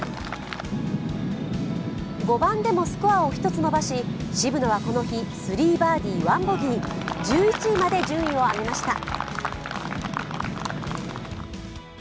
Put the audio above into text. ５番でもスコアを１つ伸ばし渋野はこの日３バーディー・１ボギー１１位まで順位を上げました。